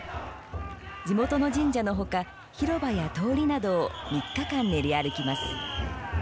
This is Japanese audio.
地元の神社のほか広場や通りなどを３日間練り歩きます。